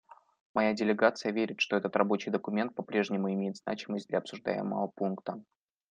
Моя делегация верит, что этот рабочий документ по-прежнему имеет значимость для обсуждаемого пункта.